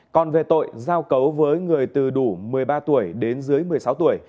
còn về tội giao cấu với người từ đủ một mươi ba tuổi đến dưới một mươi sáu tuổi